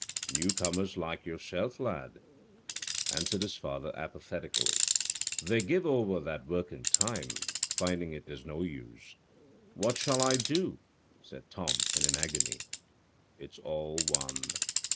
"New comers, like yourself, lad," answered his father apathetically. "They give over that work in time, finding it is no use." "What shall I do?" said Tom, in an agony. "It's all one."